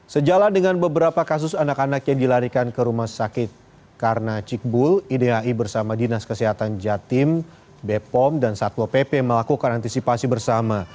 sejalan dengan beberapa kasus anak anak yang dilarikan ke rumah sakit karena cikbul idai bersama dinas kesehatan jatim bepom dan satwa pp melakukan antisipasi bersama